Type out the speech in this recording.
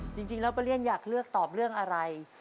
จริงแล้วป้าเลี่ยนอยากเลือกตอบเรื่องอะไร